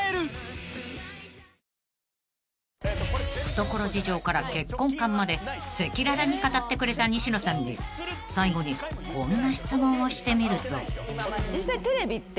［懐事情から結婚観まで赤裸々に語ってくれた西野さんに最後にこんな質問をしてみると］